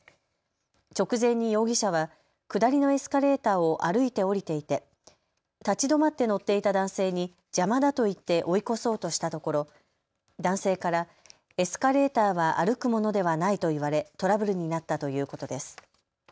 直前に容疑者は下りのエスカレーターを歩いて降りていて、立ち止まって乗っていた男性に邪魔だと言って追い越そうとしたところ男性からエスカレーターは歩くものではないと言われトラブルになったということです。